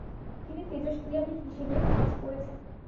তিনি তেজস্ক্রিয়াবিদ হিসেবে কাজ করেছেন।